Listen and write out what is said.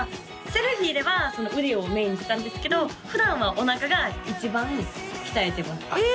セルフィーでは腕をメインにしたんですけど普段はおなかが一番鍛えてますええ！